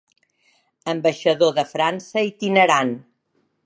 Ambaixador de França itinerant.